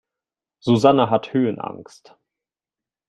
Susanne hat Höhenangst.